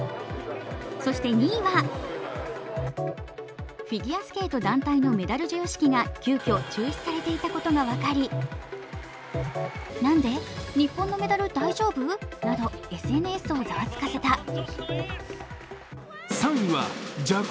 そして２位は、フィギュアスケート団体のメダル授与式が急きょ中止されていたことが分かりなど、ＳＮＳをざわつかせた。